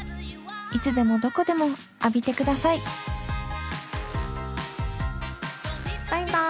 いつでもどこでも浴びてくださいバイバイ。